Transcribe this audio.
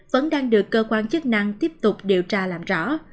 vẫn đang được cơ quan chức năng tiếp tục điều tra làm rõ